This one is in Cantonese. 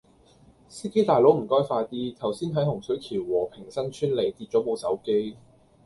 司機大佬唔該快啲，頭先喺洪水橋和平新村里跌左部手機